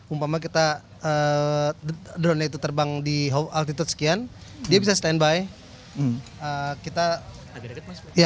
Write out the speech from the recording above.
umpama kita drone nya itu terbang di altitude sekian dia bisa standby kita